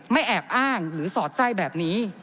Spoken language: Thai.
ไม่แอบอ้างหรือสอดใจแบบนี้